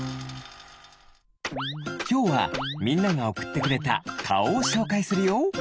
きょうはみんながおくってくれたかおをしょうかいするよ。